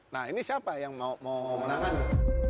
nah ini siapa yang mau menangani